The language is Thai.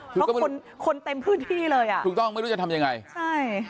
เพราะคนคนเต็มพื้นที่เลยอ่ะถูกต้องไม่รู้จะทำยังไงใช่